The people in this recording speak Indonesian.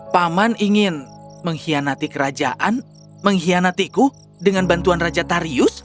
paman ingin mengkhianati kerajaan mengkhianatiku dengan bantuan raja tarius